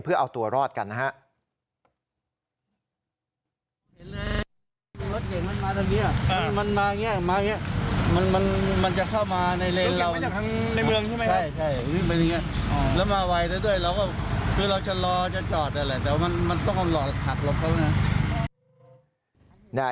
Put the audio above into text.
เพื่อเอาตัวรอดกันนะฮะ